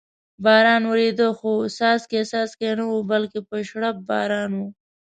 باران ورېده، خو څک څک نه و، بلکې په شړپ باران و.